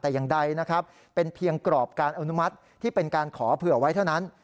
แต่อย่างใดนะครับเป็นเพียงกรอบการอนุมัติที่เป็นการขอเผื่อไว้เท่านั้น